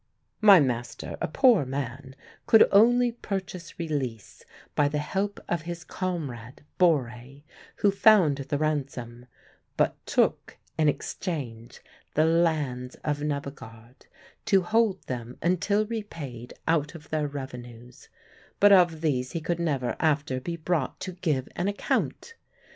My master, a poor man, could only purchase release by the help of his comrade, Borre, who found the ransom, but took in exchange the lands of Nebbegaard, to hold them until repaid out of their revenues; but of these he could never after be brought to give an account.